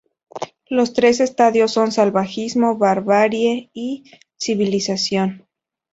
Los tres estadios son salvajismo, barbarie y civilización.